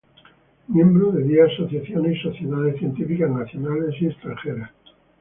Miembro de diez Asociaciones y Sociedades Científicas nacionales y extranjeras.